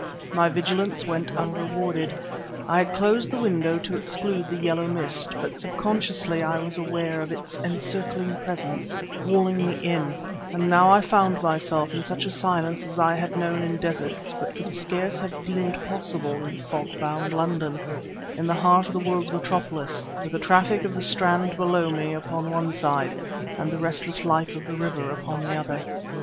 My vigilance went unrewarded. I had closed the window to exclude the yellow mist, but subconsciously I was aware of its encircling presence, walling me in, and now I found myself in such a silence as I had known in deserts but could scarce have deemed possible in fog bound London, in the heart of the world's metropolis, with the traffic of the Strand below me upon one side and the restless life of the river upon the other.